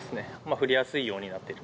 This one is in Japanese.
振りやすいようになってる。